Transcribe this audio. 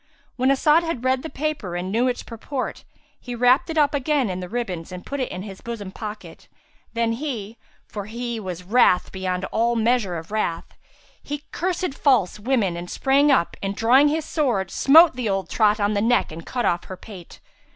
When As'ad had read the paper and knew its purport, he wrapped it up again in the ribbons and put it in his bosom pocket: then (for he was wrath beyond all measure of wrath) he cursed false women and sprang up and drawing his sword, smote the old trot on the neck and cut off her pate.